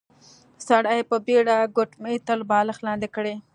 سړي په بيړه ګوتمۍ تر بالښت لاندې کړې.